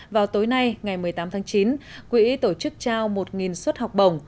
vào tối nay ngày một mươi tám tháng chín quỹ tổ chức trao một suất học bổng